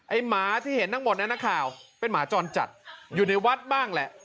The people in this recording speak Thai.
หมาที่เห็นทั้งหมดนั้นนักข่าวเป็นหมาจรจัดอยู่ในวัดบ้างแหละ